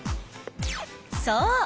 そう！